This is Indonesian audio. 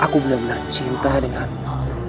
aku benar benar cinta denganmu